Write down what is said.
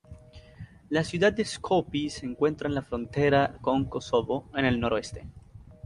La ciudad de Skopie se encuentra en la frontera con Kosovo, en el noroeste.